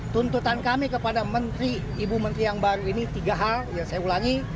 tuntutan kami kepada menteri ibu menteri yang baru ini tiga hal yang saya ulangi